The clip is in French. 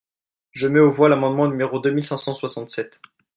Je mets aux voix l’amendement numéro deux mille cinq cent soixante-sept.